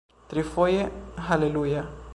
Trifoje haleluja!